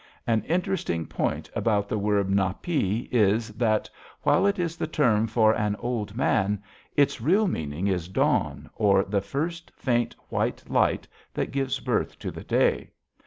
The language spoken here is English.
An interesting point about the word näp´ i is, that, while it is the term for an old man, its real meaning is dawn, or the first faint, white light that gives birth to the day.